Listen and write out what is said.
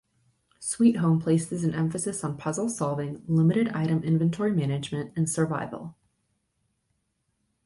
"Sweet Home" places an emphasis on puzzle-solving, limited item inventory management, and survival.